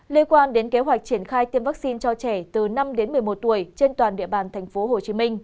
liên quan đến kế hoạch triển khai tiêm vaccine cho trẻ từ năm đến một mươi một tuổi trên toàn địa bàn tp hcm